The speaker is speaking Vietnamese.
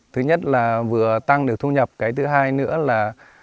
thứ nhất là vừa tăng được thu nhập cái thứ hai nữa là